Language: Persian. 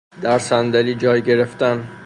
در صندلی جای گرفتن